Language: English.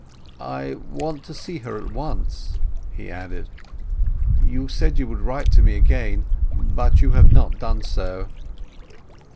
"I want to see her at once," he added. "You said you would write to me again, but you have not done so."